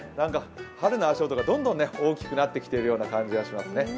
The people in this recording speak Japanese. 春の足音がどんどん大きくなってきているような感じがしますね。